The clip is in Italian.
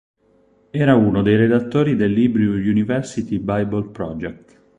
Era uno dei redattori dell'Hebrew University Bible Project.